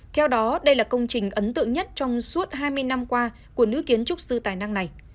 theo đó đây là công trình ấn tượng nhất trong suốt hai mươi năm qua của nữ kiến trúc sư tài năng này